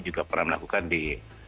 juga pernah melakukan di